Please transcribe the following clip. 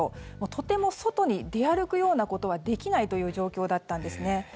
とても外に出歩くようなことはできないという状況だったんですね。